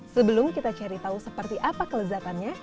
sebelum kita cari tahu seperti apa kelezatannya